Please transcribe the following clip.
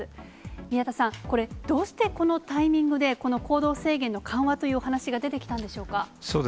宮田さん、これ、どうしてこのタイミングで、この行動制限の緩和というお話が出てきたんでしょう